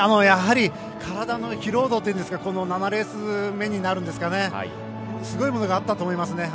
やはり体の疲労度というんですか７レース目になりますけどすごいものがあったと思います。